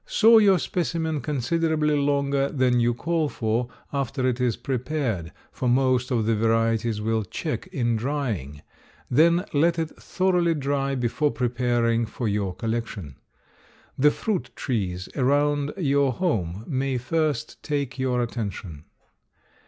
Saw your specimen considerably longer than you call for after it is prepared, for most of the varieties will check in drying; then let it thoroughly dry before preparing for your collection. The fruit trees around your home may first take your attention.